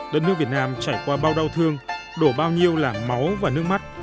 đất nước việt nam trải qua bao đau thương đổ bao nhiêu làng máu và nước mắt